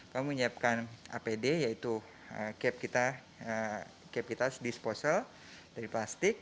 kami menyiapkan apd yaitu cap kita disposal dari plastik